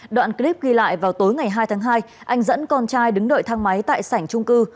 đoạn clip ghi lại vào tối ngày hai tháng hai anh dẫn con trai đứng đợi thang máy tại sảnh trung cư